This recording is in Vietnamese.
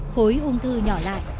khối ung thư nhỏ lại